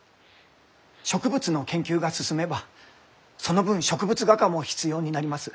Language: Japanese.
植物の研究が進めばその分植物画家も必要になります。